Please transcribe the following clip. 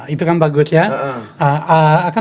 itu kan bagus ya